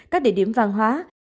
các địa điểm văn hóa